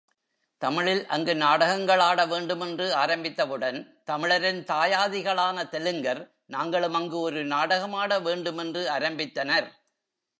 தமிழில் அங்கு நாடகங்களாட வேண்டுமென்று ஆரம்பித்தவுடன், தமிழரின் தாயாதிகளான தெலுங்கர், நாங்களும் அங்கு ஒரு நாடகமாட வேண்டுமென்று ஆரம்பித்தனர்!